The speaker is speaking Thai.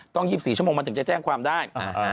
๒๔ชั่วโมงมันถึงจะแจ้งความได้